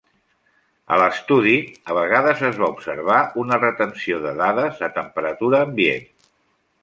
A l'estudi, a vegades es va observar una retenció de dades a temperatura ambient.